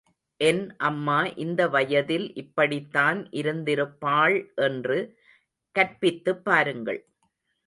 என் அம்மா இந்த வயதில் இப்படித்தான் இருந்திருப்பள் என்று கற்பித்துப் பாருங்கள்.